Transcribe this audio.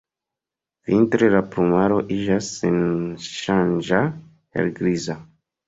Vintre la plumaro iĝas senŝanĝa helgriza.